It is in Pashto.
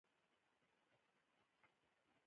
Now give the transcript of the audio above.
ازادي راډیو د ورزش په اړه د هر اړخیزو مسایلو پوښښ کړی.